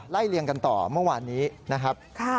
เลี่ยงกันต่อเมื่อวานนี้นะครับ